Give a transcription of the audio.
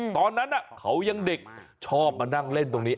ตอนนั้นเขายังเด็กชอบมานั่งเล่นตรงนี้